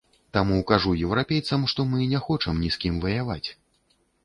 Таму кажу еўрапейцам, што мы не хочам ні з кім ваяваць.